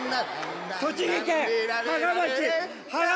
栃木県芳賀町芳賀」。